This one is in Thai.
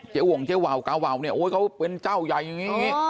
วงเจ๊วาวกาวาวเนี่ยโอ้ยเขาเป็นเจ้าใหญ่อย่างนี้